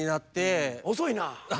遅いな。